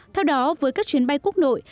theo đó với các chuyến bay quốc nội